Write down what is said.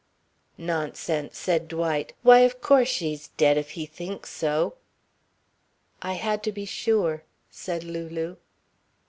"Nonsense," said Dwight. "Why, of course she's dead if he thinks so." "I had to be sure," said Lulu.